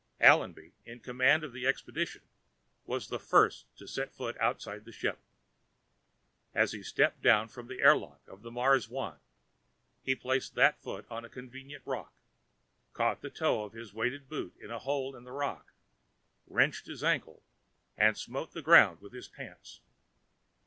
Allenby, in command of the expedition, was first to set foot outside the ship. As he stepped down from the airlock of the Mars I, he placed that foot on a convenient rock, caught the toe of his weighted boot in a hole in the rock, wrenched his ankle and smote the ground with his pants.